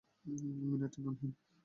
মিনারটি নামহীন।